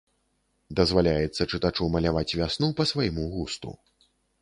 Дазваляецца чытачу маляваць вясну па свайму густу.